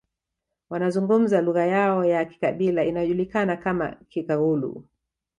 Wanazungumza lugha yao ya kikabila inayojulikana kama Kikagulu